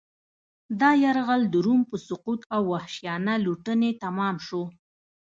دا یرغل د روم په سقوط او وحشیانه لوټنې تمام شو